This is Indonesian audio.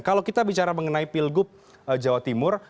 kalau kita bicara mengenai pilgub jawa timur